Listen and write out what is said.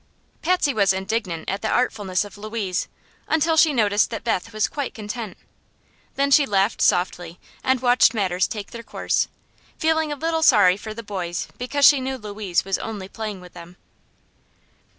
Patsy was indignant at the artfulness of Louise until she noticed that Beth was quite content; then she laughed softly and watched matters take their course, feeling a little sorry for the boys because she knew Louise was only playing with them.